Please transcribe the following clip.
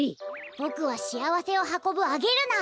ボクはしあわせをはこぶアゲルナー。